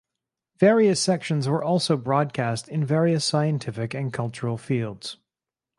Various sections were also broadcast in various scientific and cultural fields.